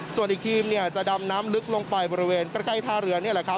ส่วนอีกทีมจะดำน้ำลึกลงไปบริเวณใกล้ทาเรือน